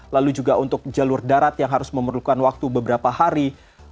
lalu juga untuk jalur darat yang harus memerlukan waktu beberapa hari